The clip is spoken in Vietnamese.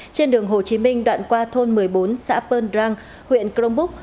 trên đường hồ chí minh đoạn qua thôn một mươi bốn xã pern drang huyện cronbuk